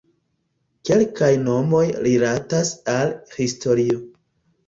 Kelkaj nomoj rilatas al historio.